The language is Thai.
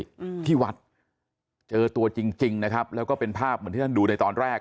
อืมที่วัดเจอตัวจริงจริงนะครับแล้วก็เป็นภาพเหมือนที่ท่านดูในตอนแรก